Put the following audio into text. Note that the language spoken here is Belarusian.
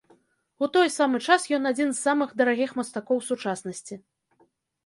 У той самы час ён адзін з самых дарагіх мастакоў сучаснасці.